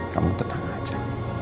kamu tenang saja